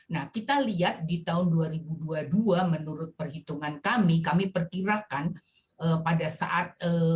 nah kita lihat di tahun dua ribu dua puluh dua menurut perhitungan kami kami perkirakan pada saat